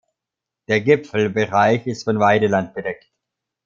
Der Gipfelbereich ist von Weideland bedeckt.